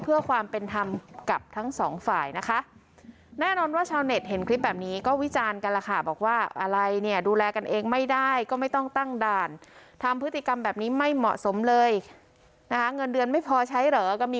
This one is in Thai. เพื่อความเป็นทำกับทั้งสองฝ่ายนะคะแน่นอนว่าชาวเน็ตเห็นคลิปแบบนี้